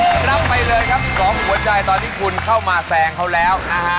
พลังไปเลยครับสองหัวใจตอนที่คุณเข้ามาแสงเขาแล้ว